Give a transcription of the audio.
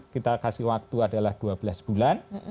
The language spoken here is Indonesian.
kita kasih waktu adalah dua belas bulan